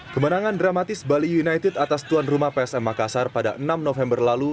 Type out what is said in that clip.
kemenangan dramatis bali united atas tuan rumah psm makassar pada enam november lalu